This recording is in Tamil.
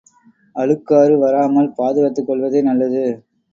அழுக்காறு வராமல் பாதுகாத்துக் கொள்வதே நல்லது.